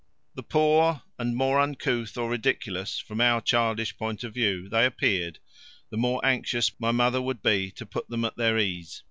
The poor and more uncouth, or ridiculous, from our childish point of view, they appeared, the more anxious my mother would be to put them at their ease.